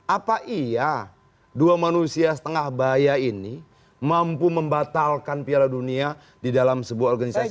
apa iya dua manusia setengah bahaya ini mampu membatalkan piala dunia di dalam sebuah organisasi